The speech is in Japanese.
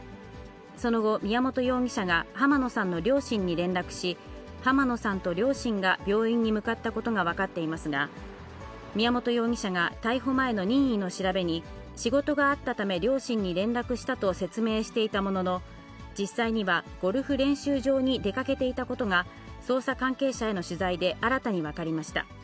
その後、宮本容疑者が浜野さんの両親に連絡し、浜野さんと両親が病院に向かったことが分かっていますが、宮本容疑者が逮捕前の任意の調べに、仕事があったため、両親に連絡したと説明していたものの、実際には、ゴルフ練習場に出かけていたことが、捜査関係者への取材で新たに分かりました。